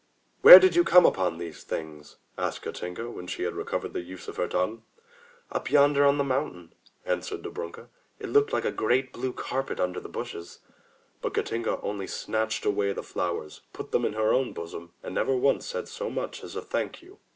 Where did you find these things?" asked Katinka when she had recovered the use of her tongue. '*Up yonder, on the mountain," answered Dobrunka. "It looked like a great blue carpet under the bushes." But Katinka only snatched away the flowers, put them in her own bosom, and never once said so much as a "Thank you!"